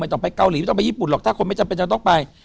ต้องไปเกาหลีไม่ต้องไปญี่ปุ่นหรอกถ้าคนไม่จำเป็นจะต้องไป